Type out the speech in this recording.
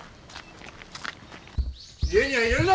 家には入れるな！